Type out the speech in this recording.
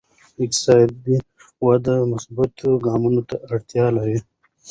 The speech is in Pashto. اقتصادي وده مثبتو ګامونو ته اړتیا لري.